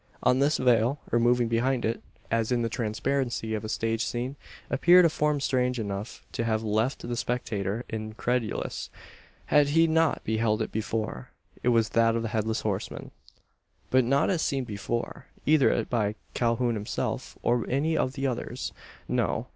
On this veil, or moving behind it as in the transparencies of a stage scene appeared a form strange enough to have left the spectator incredulous, had he not beheld it before. It was that of the Headless Horseman. But not as seen before either by Calhoun himself, or any of the others. No.